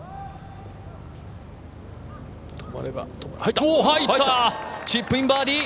入った、チップインバーディー！